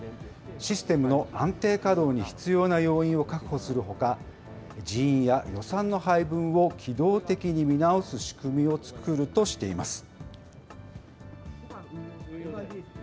システムの安定稼働に必要な要員を確保するほか、人員や予算の配分を機動的に見直す仕組みを作るとしています。